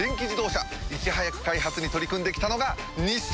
いち早く開発に取り組んで来たのが日産！